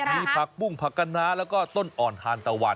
มีผักปุ้งผักกะน้าแล้วก็ต้นอ่อนทานตะวัน